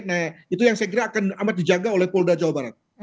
nah itu yang saya kira akan amat dijaga oleh polda jawa barat